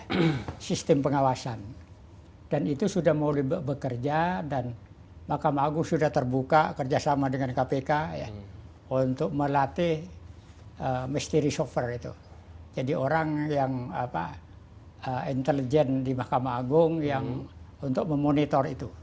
di sistem pengawasan dan itu sudah mau bekerja dan mahkamah agung sudah terbuka kerjasama dengan kpk untuk melatih misteri resover itu jadi orang yang apa intelijen di mahkamah agung yang untuk memonitor itu